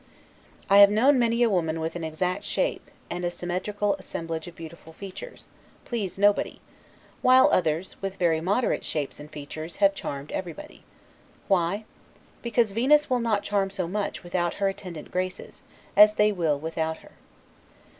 I have known many a woman with an exact shape, and a symmetrical assemblage of beautiful features, please nobody; while others, with very moderate shapes and features, have charmed everybody. Why? because Venus will not charm so much, without her attendant Graces, as they will without her.